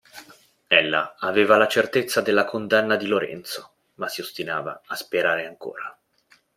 Ella aveva la certezza della condanna di Lorenzo, ma si ostinava a sperare ancora.